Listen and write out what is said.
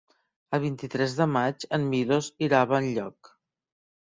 El vint-i-tres de maig en Milos irà a Benlloc.